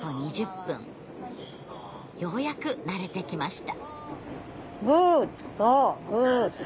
ようやく慣れてきました。